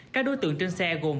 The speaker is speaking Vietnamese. các đối tượng trên xe gồm